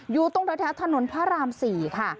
อยู่ตรงแถวถนนพระราม๔ค่ะ